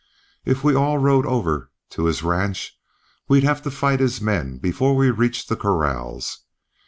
If we all rode over to his ranch we'd have to fight his men before we reached the corrals.